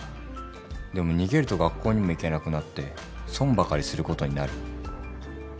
でも逃げると学校にも行けなくなって損ばかりすることになる。